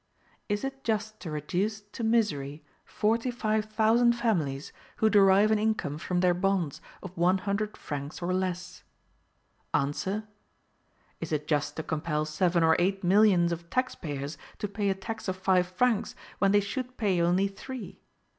Is it just to reduce to misery forty five thousand families who derive an income from their bonds of one hundred francs or less? ANSWER. Is it just to compel seven or eight millions of tax payers to pay a tax of five francs, when they should pay only three?